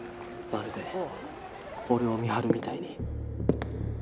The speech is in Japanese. まるで俺を見張るみたいに。